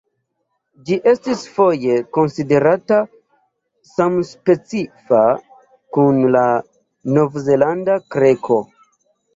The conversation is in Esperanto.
Ĝi estis foje konsiderata samspecifa kun la Novzelanda kreko.